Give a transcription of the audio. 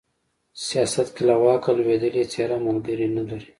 سياست کې له واکه لوېدلې څېره ملگري نه لري